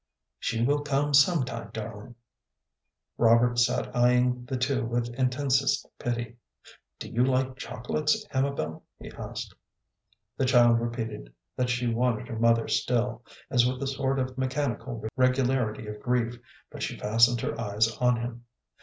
"She will come some time, darling." Robert sat eying the two with intensest pity. "Do you like chocolates, Amabel?" he asked. The child repeated that she wanted her mother still, as with a sort of mechanical regularity of grief, but she fastened her eyes on him.